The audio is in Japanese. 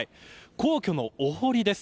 皇居のお堀です。